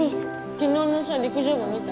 昨日のさ陸上部見た？